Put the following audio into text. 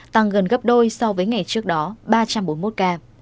tăng gần gấp đôi so với ngày trước đó ba trăm bốn mươi một ca